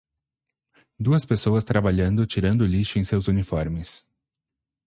Duas pessoas trabalhando tirando o lixo em seus uniformes.